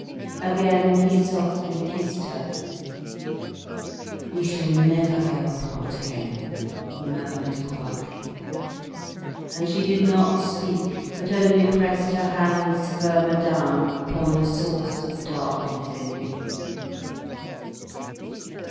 Again he softly kissed her. "We shall never go apart again," he murmured quietly. And she did not speak, but only pressed her hands firmer down upon the source of darkness in him.